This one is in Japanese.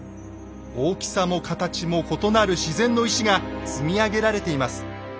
大きさも形も異なる自然の石が積み上げられています。